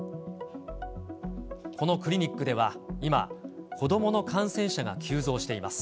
このクリニックでは今、子どもの感染者が急増しています。